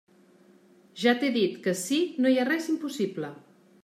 Ja t'he dit que ací no hi ha res impossible.